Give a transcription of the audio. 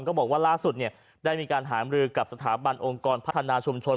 ก็บอกว่าล่าสุดได้มีการหามรือกับสถาบันองค์กรพัฒนาชุมชน